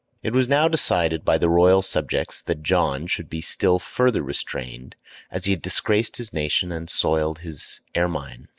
] It was now decided by the royal subjects that John should be still further restrained, as he had disgraced his nation and soiled his ermine.